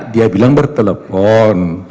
dia bilang bertelepon